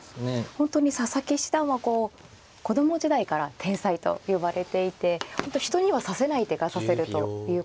本当に佐々木八段はこう子供時代から天才と呼ばれていて人には指せない手が指せるということ。